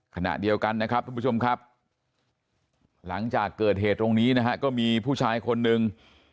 ขณะเดียวกันนะครับทุกผู้ชมครับหลังจากเกิดเหตุตรงนี้นะฮะก็มีผู้ชายคนหนึ่ง